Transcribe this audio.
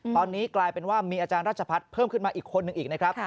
ตอนนี้กลายเป็นว่ามีอาจารย์ราชพัฒน์เพิ่มขึ้นมาอีกคนหนึ่งอีกนะครับ